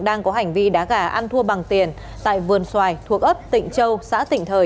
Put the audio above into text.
đang có hành vi đá gà an thu bằng tiền tại vườn xoài thuộc ấp tỉnh châu xã tỉnh thời